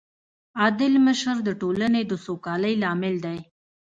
عادل مشر د ټولنې د سوکالۍ لامل دی.